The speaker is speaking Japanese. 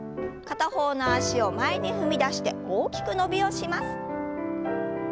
片方の脚を前に踏み出して大きく伸びをします。